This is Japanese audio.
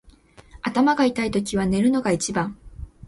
頭が痛いときは寝るのが一番。